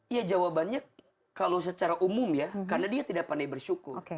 ya jawabannya kalau secara umum ya karena dia tidak pandai bersyukur